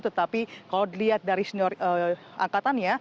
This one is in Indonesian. tetapi kalau dilihat dari senior angkatannya